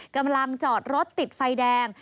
กำลังจอดรถติดไฟแดง